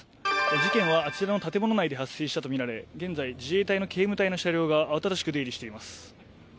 事件はあちらの建物内で発生したとみられ、現在自衛隊の警務隊の車両が慌ただしく出入りしています。